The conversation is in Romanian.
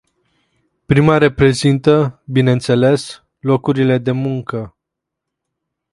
Prima reprezintă, bineînțeles, locurile de muncă.